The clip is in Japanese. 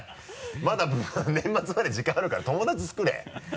まだ年末まで時間あるから友達作れ。